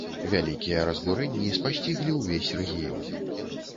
Вялікія разбурэнні спасціглі ўвесь рэгіён.